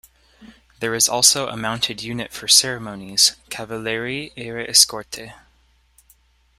There is also a mounted unit for ceremonies: Cavalerie Ere-Escorte.